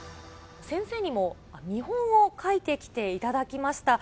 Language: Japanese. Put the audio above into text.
先生にも見本を描いてきていただきました。